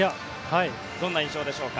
どんな印象でしょうか。